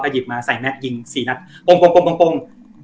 ก็หยิบมาใส่แมทยิงสี่นับบุงบุงบุง